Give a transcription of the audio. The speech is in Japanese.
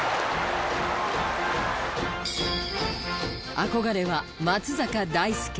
憧れは松坂大輔。